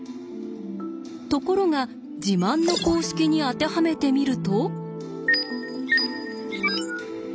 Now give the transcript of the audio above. ところが自慢の公式に当てはめてみると。